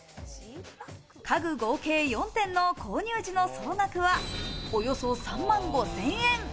家具合計４点の購入時の総額は、およそ３万５０００円。